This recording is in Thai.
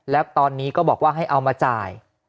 แล้วตอนนี้ก็บอกว่าให้เอามาจ่าย